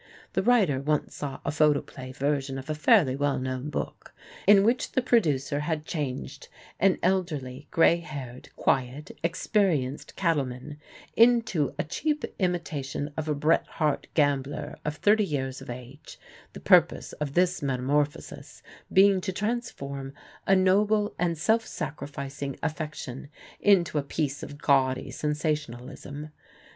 The writer once saw a photo play version of a fairly well known book, in which the producer had changed an elderly, gray haired, quiet, experienced cattleman into a cheap imitation of a Bret Harte gambler of thirty years of age, the purpose of this metamorphosis being to transform a noble and self sacrificing affection into a piece of gaudy sensationalism.